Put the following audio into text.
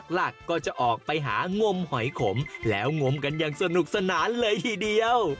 หลักก็จะออกไปหางมหอยขมแล้วงมกันอย่างสนุกสนานเลยทีเดียว